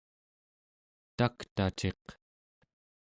taktaciq